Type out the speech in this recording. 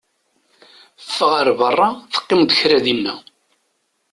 Ffeɣ ar beṛṛa, teqqimeḍ kra dinna!